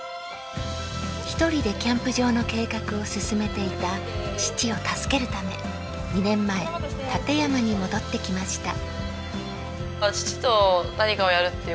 一人でキャンプ場の計画を進めていた父を助けるため２年前館山に戻ってきました。